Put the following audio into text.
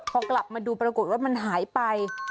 พอกลับมาดูปรากฏว่ามันหายไป